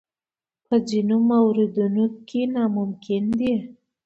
په ځینو موردونو کې ناممکن دي.